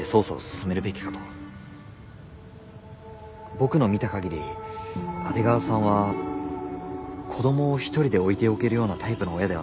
僕の見た限り阿出川さんは子供を一人で置いておけるようなタイプの親ではないと思うんです。